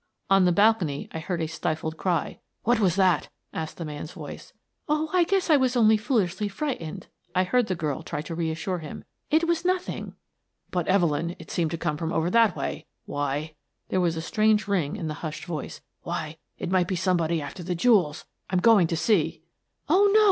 On the balcony I heard a stifled cry. " What was that? " asked the man's voice. " Oh, I guess I was only foolishly frightened," I heard the girl try to reassure him. " It was noth mg. " But, Evelyn, it seemed to come from over that way. Why —" there was a strange ring in the hushed voice —" why, it might be somebody after the jewels ! I'm going to see." "Oh, no!